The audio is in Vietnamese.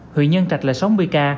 huyện nhân trạch là sáu mươi ca